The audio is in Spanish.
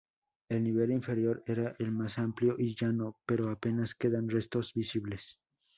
El nivel inferior era el más amplio y llano, pero apenas quedan restos visibles.